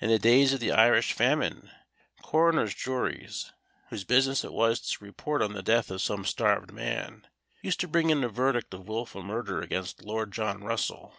In the days of the Irish famine, coroners' juries, whose business it was to report on the death of some starved man, used to bring in a verdict of wilful murder against Lord John Russell.